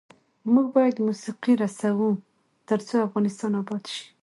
موږ باید موسیقي رسوو ، ترڅو افغانستان اباد شي.